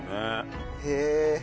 へえ。